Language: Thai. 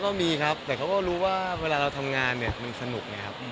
ก็มีครับแต่เขาก็รู้ว่าเวลาเราทำงานมันสนุก